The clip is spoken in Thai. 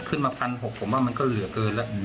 ขึ้นมา๑๖๐๐ผมว่ามันก็เหลือเกินแล้ว